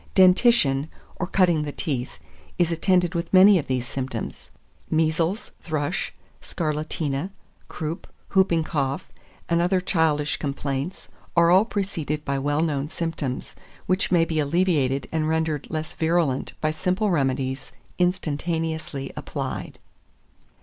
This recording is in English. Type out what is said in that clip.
Dentition, or cutting the teeth, is attended with many of these symptoms. Measles, thrush, scarlatina, croup, hooping cough, and other childish complaints, are all preceded by well known symptoms, which may be alleviated and rendered less virulent by simple remedies instantaneously applied.